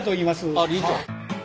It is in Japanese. あっ理事長。